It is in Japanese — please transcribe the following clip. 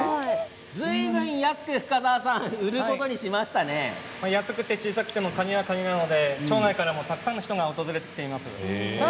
ずいぶん安く売ることに安くても小さくてもカニはカニなのでたくさんの人が訪れています。